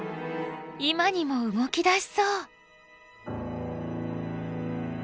今にも動き出しそう。